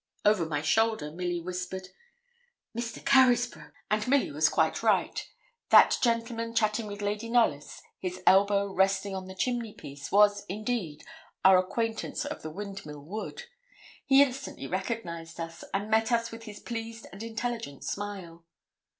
Over my shoulder, Milly whispered 'Mr. Carysbroke.' And Milly was quite right: that gentleman chatting with Lady Knollys, his elbow resting on the chimney piece, was, indeed, our acquaintance of the Windmill Wood. He instantly recognised us, and met us with his pleased and intelligent smile.